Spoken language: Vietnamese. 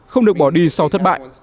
không được bỏ đi sau thất bại